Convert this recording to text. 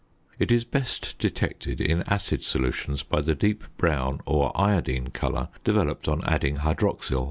It is best detected in acid solutions by the deep brown or iodine colour developed on adding hydroxyl.